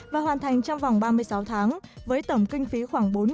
và hoàn thành trong vòng ba mươi sáu tháng với tổng kinh phí khoảng bốn bảy trăm linh tỷ đồng